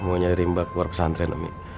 mau nyari rimbak warga pesantren